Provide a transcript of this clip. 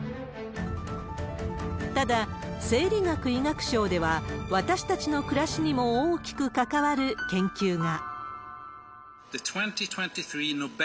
ただ、生理学・医学賞では、私たちの暮らしにも大きく関わる研究が。